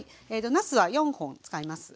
なすは４本使います。